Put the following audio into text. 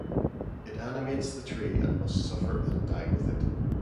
It animates the tree and must suffer and die with it.